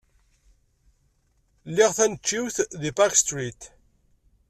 Liɣ taneččit deg Park Street.